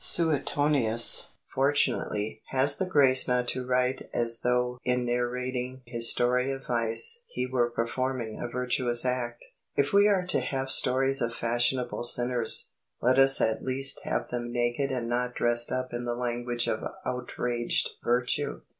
Suetonius, fortunately, has the grace not to write as though in narrating his story of vice he were performing a virtuous act. If we are to have stories of fashionable sinners, let us at least have them naked and not dressed up in the language of outraged virtue.